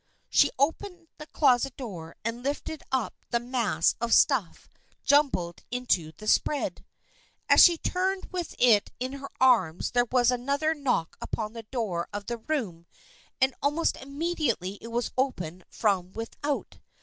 She opened the closet door and lifted up the mass of stuff jumbled into the spread. As she turned with it in her arms there was another knock upon the door of the room and almost immediately it was opened from without.